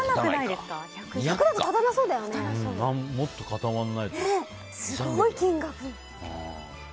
すごい金額。